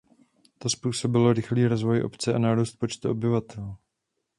To způsobilo rychlý rozvoj obce a nárůst počtu obyvatel.